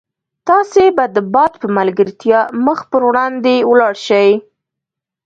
تاسي به د باد په ملګرتیا مخ په وړاندې ولاړ شئ.